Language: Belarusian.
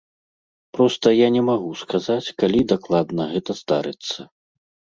Проста я не магу сказаць, калі дакладна гэта здарыцца.